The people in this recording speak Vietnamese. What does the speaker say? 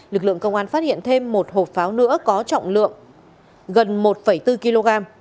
lực lượng công an phát hiện thêm một hộp pháo nữa có trọng lượng gần một bốn kg